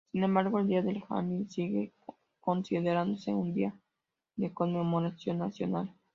Sin embargo, el Día del Hangul sigue considerándose un día de conmemoración nacional.